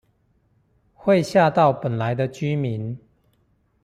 會嚇到本來的居民